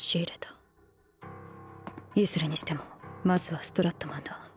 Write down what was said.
いずれにしてもまずはストラットマンだ。